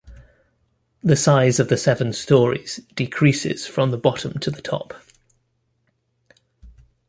The size of the seven storeys decreases from the bottom to the top.